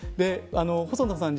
細野さん